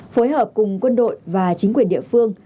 phối hợp cùng quân đội và chính quyền địa phương